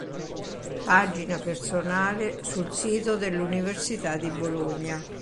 Pagina personale sul sito dell'università di Bologna